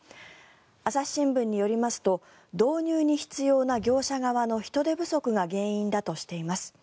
朝日新聞よりますと導入に必要な業者側の人手不足が原因だとしています。